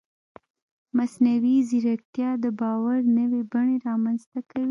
مصنوعي ځیرکتیا د باور نوې بڼې رامنځته کوي.